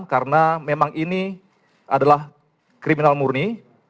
karena memang ini adalah kriminal murni